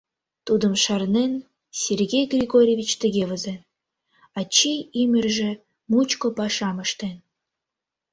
Тудым шарнен, Сергей Григорьевич тыге возен: «Ачий ӱмыржӧ мучко пашам ыштен.